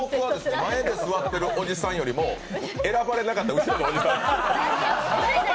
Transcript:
前で座っているおじさんよりも選ばれなかった後ろのおじさん。